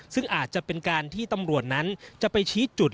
ซึ่งอาจจะเป็นการที่ตำรวจนั้นจะไปชี้จุด